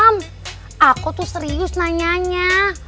hmm aku tuh serius nanyanya